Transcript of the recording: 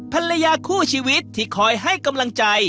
ภรรยาคู่ชีวิตที่คอยให้กำลังใจ